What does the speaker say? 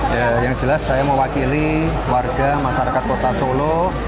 ya yang jelas saya mewakili warga masyarakat kota solo